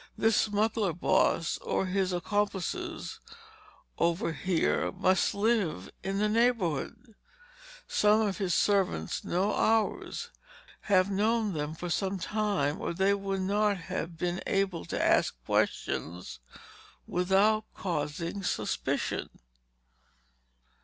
"This smuggler boss or his accomplices over here must live in the neighborhood. Some of his servants know ours—have known them for some time or they would not have been able to ask questions without causing suspicion."